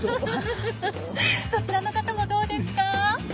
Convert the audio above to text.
そちらの方もどうですか？